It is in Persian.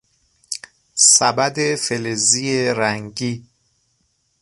سبد فلزی رنگی